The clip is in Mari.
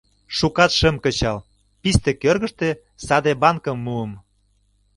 Шукат шым кычал, писте кӧргыштӧ саде банкым муым.